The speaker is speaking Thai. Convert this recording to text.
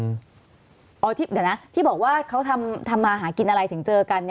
เดี๋ยวนะที่บอกว่าเขาทำมาหากินอะไรถึงเจอกัน